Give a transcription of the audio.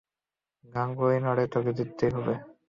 গাঙু, এই লড়াই তোকে জিততেই হবে!